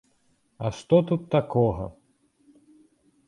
А што тут такога?